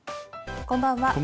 こんばんは。